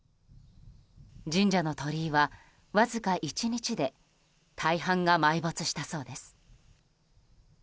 神社の鳥居はわずか１日で大半が埋没したそうです。